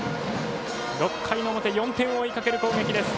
６回の表４点を追いかける攻撃です。